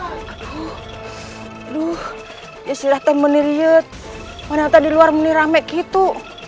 aduh ya silahkan meniru manatadi luar meniramek itu